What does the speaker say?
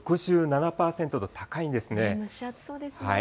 蒸し暑そうですね。